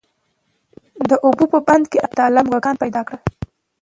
د اوبو په بند کي الله تعالی موږکان پيدا کړل،